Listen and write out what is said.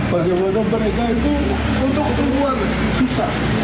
bagaimana mereka itu untuk keluar susah